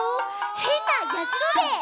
へんなやじろべえ」